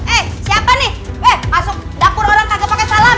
eh siapa nih weh masuk dapur orang kagak pakai salam